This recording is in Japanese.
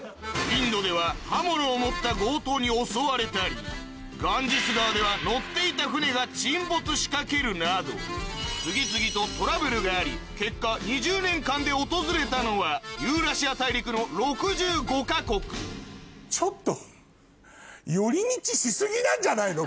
インドでは刃物を持った強盗に襲われたりガンジス川では乗っていた船が沈没しかけるなど次々とトラブルがあり結果訪れたのはちょっと寄り道し過ぎなんじゃないの？